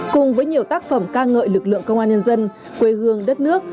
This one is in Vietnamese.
cùng với nhiều tác phẩm ca ngợi lực lượng công an nhân dân quê hương đất nước